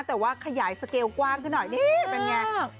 แต่ว่าขยายสเกลกว้างเท่านั้นหน่อยนี่เป็นอย่างไร